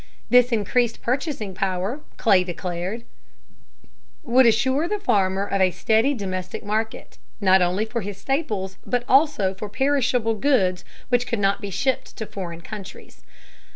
This increased purchasing power, Clay declared, would assure the farmer of a steady domestic market, not only for his staples, but also for perishable goods which could not be shipped to foreign countries.